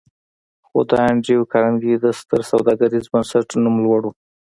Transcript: خو د انډريو کارنګي د ستر سوداګريز بنسټ نوم لوړ و.